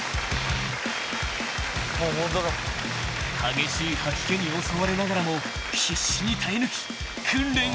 ［激しい吐き気に襲われながらも必死に耐え抜き訓練終了］